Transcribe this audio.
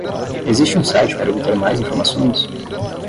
Existe um site para obter mais informações?